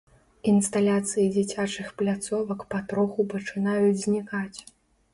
Інсталяцыі дзіцячых пляцовак патроху пачынаюць знікаць.